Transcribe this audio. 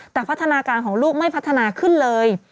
แต่พัฒนาการของลูกไม่พัฒนาขึ้นเลย